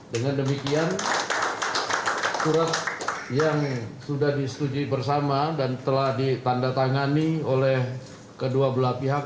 dengan demikian surat yang sudah disetujui bersama dan telah ditandatangani oleh kedua belah pihak